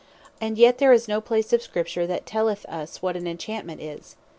and yet there is no place of Scripture, that telleth us what on Enchantment is.